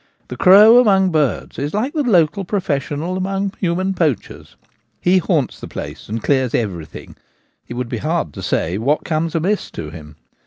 The crow among birds is like the local professional among human poachers : he haunts the place and clears everything — it would be hard to say what comes amiss to him.